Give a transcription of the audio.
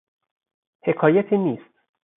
حکایتی نیست